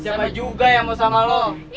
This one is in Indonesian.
jangan juga yang mau sama lo